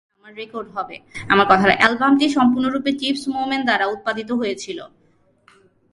অ্যালবামটি সম্পূর্ণরূপে Chips Moman দ্বারা উত্পাদিত হয়েছিল।